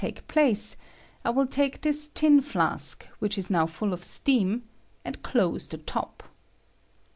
take place, I will take this tin flask, which is now full of steam, and close the top.